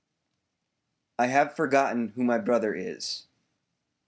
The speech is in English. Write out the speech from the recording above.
*^ I have forgotten who my brother is.